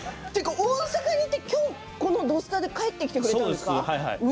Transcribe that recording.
大阪にいてこの「土スタ」で書いてきてくれたんですか。